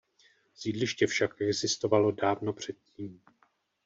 Sídliště však existovalo dávno předtím.